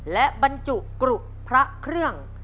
และบรรจุกรุพระเครื่อง